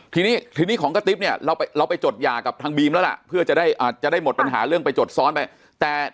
ทีนี้ทีนี้ของกระติ๊บเนี่ยเราไปจดหย่ากับทางบีมแล้วล่ะเพื่อจะได้หมดปัญหาเรื่องไปจดซ้อนไปแต่